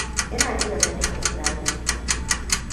Ina iya ganin Ibrahim.